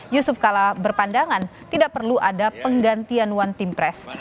yusuf kala berpandangan tidak perlu ada penggantian one team press